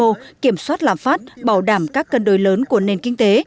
điều hành kinh tế vĩ mô kiểm soát làm phát bảo đảm các cân đối lớn của nền kinh tế